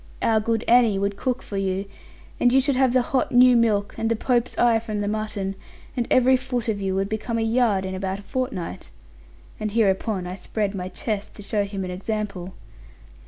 Our good Annie would cook for you; and you should have the hot new milk and the pope's eye from the mutton; and every foot of you would become a yard in about a fortnight.' And hereupon, I spread my chest, to show him an example.